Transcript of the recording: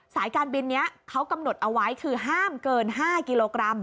สายการบินนี้เขากำหนดเอาไว้คือห้ามเกิน๕กิโลกรัม